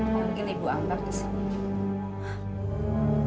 mungkin ibu angkat ke sini